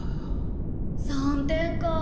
３点か。